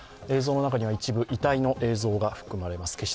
映像の中には一部、遺体の映像が含まれます。